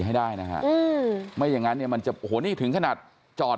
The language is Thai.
ทรัพย์สินเสียหาย